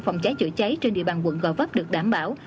phòng cháy chữa cháy trên địa bàn quận gò vấp được đảm bảo